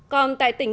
còn tại tỉnh hương yên